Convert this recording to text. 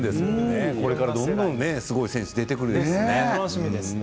これからどんどんすごい選手が出てくるんでしょうね。